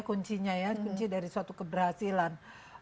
kuncinya ya kunci dari suatu keberhasilan